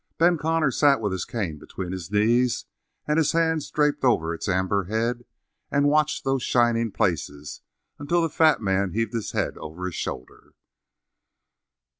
Ben Connor sat with his cane between his knees and his hands draped over its amber head and watched those shining places until the fat man heaved his head over his shoulder.